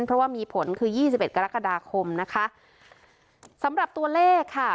เพราะว่ามีผลคือยี่สิบเอ็ดกรกฎาคมนะคะสำหรับตัวเลขค่ะ